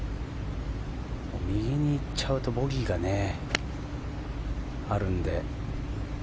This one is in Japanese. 右に行っちゃうとボギーがあるんで。